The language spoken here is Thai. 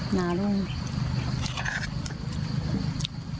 หนาลูก